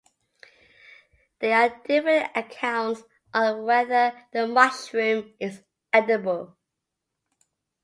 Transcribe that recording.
There are differing accounts on whether the mushroom is edible.